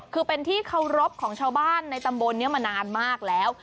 คือเป็นที่เคารพของชาวบ้านในตำบลนี้มานานมากแล้ว